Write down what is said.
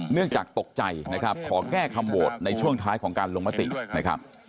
เนื่องจากตกใจนะครับขอแก้คำโหวตในช่วงท้ายของการลงมตินะครับ